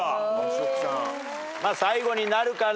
最後になるかな？